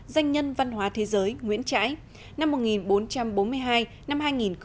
danh nhân văn hóa thế giới nguyễn trãi năm một nghìn bốn trăm bốn mươi hai năm hai nghìn một mươi chín